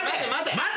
待て！